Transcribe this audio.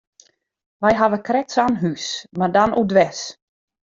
Wy hawwe krekt sa'n hús, mar dan oerdwers.